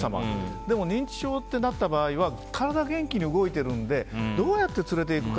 でも認知症ってなった場合は体が元気に動いているのでどうやって連れていくか。